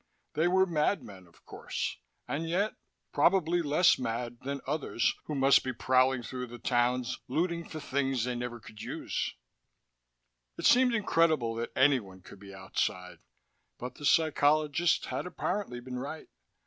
They were madmen, of course and yet, probably less mad than others who must be prowling through the towns, looting for things they could never use. It seemed incredible that any one could be outside, but the psychologists had apparently been right.